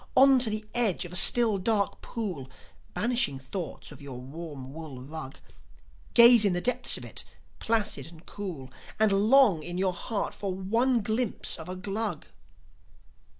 On to the edge of a still, dark pool, Banishing thoughts of your warm wool rug; Gaze in the depths of it, placid and cool, And long in your heart for one glimpse of a Glug.